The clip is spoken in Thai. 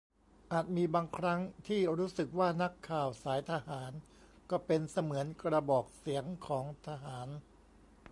อาจมีบางครั้งที่รู้สึกว่านักข่าวสายทหารก็เป็นเสมือนกระบอกเสียงของทหาร